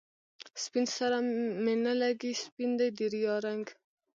سپين سره می نه لګي، سپین دی د ریا رنګ